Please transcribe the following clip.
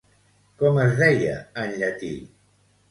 Com es deia en llatí?